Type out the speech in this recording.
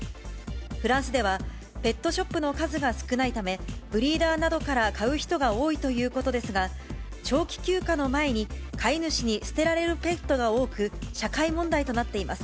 フランスではペットショップの数が少ないため、ブリーダーなどから買う人が多いということですが、長期休暇の前に飼い主に捨てられるペットが多く、社会問題となっています。